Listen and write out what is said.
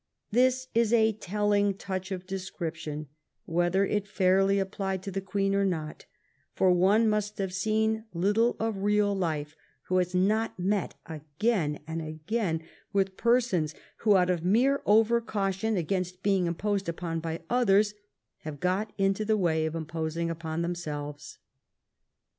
This is a telling touch of description, whether it fairly applied to the Queen or not, for one must have seen little of real life who has not met again and again with persons who, out of mere over^jaution against being imposed upon by others, have got into the way of imposing upon themselves.